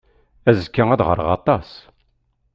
Azekka ad ɣreɣ aṭas.